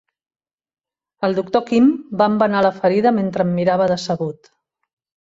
El doctor Kim va embenar la ferida mentre em mirava decebut.